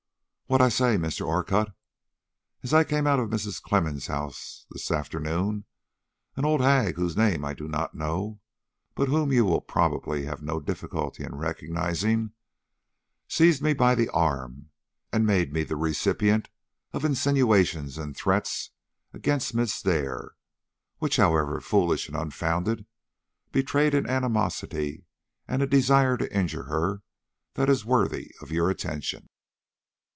"What I say, Mr. Orcutt. As I came out of Mrs. Clemmens' house this afternoon, an old hag whose name I do not know, but whom you will probably have no difficulty in recognizing, seized me by the arm and made me the recipient of insinuations and threats against Miss Dare, which, however foolish and unfounded, betrayed an animosity and a desire to injure her that is worthy your attention."